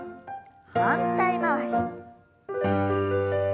反対回し。